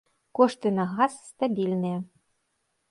Кошты на газ стабільныя.